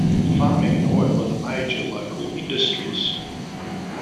Farming and oil are the major local industries.